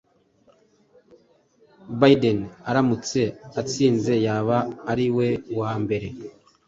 Biden aramutse atsinze yaba ari we wa mbere